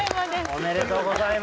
おめでとうございます。